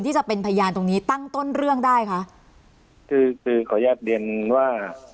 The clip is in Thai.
จะเป็นพยานตรงนี้ตั้งต้นเรื่องได้คะคือคือขออนุญาตเรียนว่า